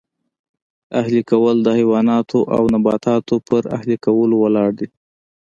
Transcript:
اهلي کول د حیواناتو او نباتاتو پر اهلي کولو ولاړ دی